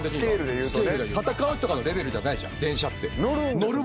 戦うとかのレベルじゃないじゃん電車って。